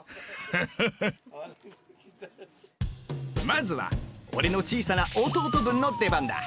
まずは俺の小さな弟分の出番だ。